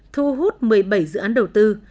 thu hút một mươi bảy dự án đầu tư